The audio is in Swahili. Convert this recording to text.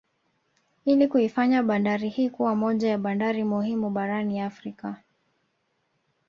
Ili kuifanya bandari hii kuwa moja ya bandari muhimu barani Afrika